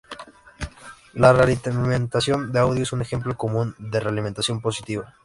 La realimentación de audio es un ejemplo común de realimentación positiva.